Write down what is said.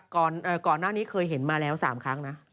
ก่อนหน้านี้เคยเห็นมาแล้ว๓ครั้งนะ